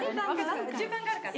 順番があるから。